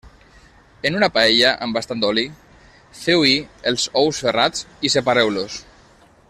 En una paella amb bastant oli, feu-hi els ous ferrats i separeu-los.